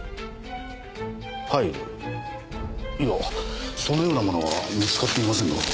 いやぁそのようなものは見つかっていませんよ。